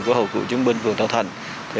của hội kiệu chiến binh phường tân thạch